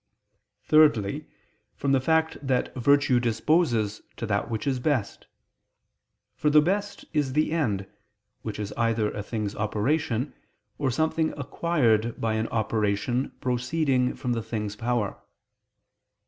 Thirdly, from the fact that virtue disposes to that which is best: for the best is the end, which is either a thing's operation, or something acquired by an operation proceeding from the thing's power.